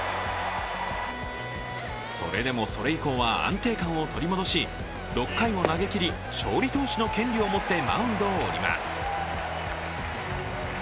それでもそれ以降は安定感を取り戻し６回を投げきり、勝利投手の権利を持ってマウンドを降ります。